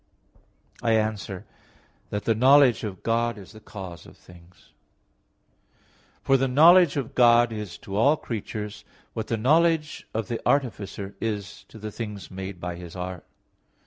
I answer that, The knowledge of God is the cause of things. For the knowledge of God is to all creatures what the knowledge of the artificer is to things made by his art.